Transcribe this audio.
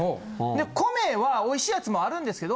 米はおいしいやつもあるんですけど。